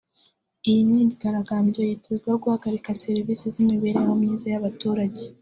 Iyi myigaragambyo yitezweho guhagarika serivisi z’imibereho myiza y’abaturage